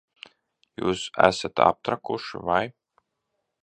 Jūs esat aptrakuši, vai?